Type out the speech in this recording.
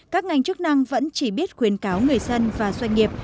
các ngành chức năng vẫn chỉ biết khuyến cáo người dân và doanh nghiệp